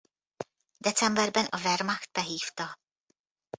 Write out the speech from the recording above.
Decemberben a Wehrmacht behívta.